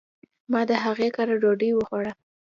ما د هغي کره ډوډي وخوړه .